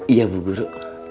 iya bu duru